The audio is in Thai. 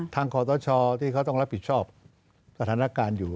ทางขอตัวชอว์ที่เขาต้องรับผิดชอบสถานการณ์อยู่